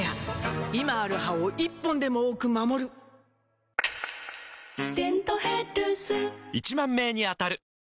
今ある歯を１本でも多く守る「デントヘルス」１０，０００名に当たる！